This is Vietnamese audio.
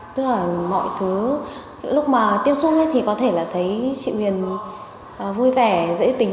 tức là mọi thứ lúc mà tiếp xúc ấy thì có thể là thấy chị huyền vui vẻ dễ tính